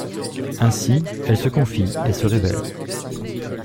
Ainsi, elles se confient et se révèlent.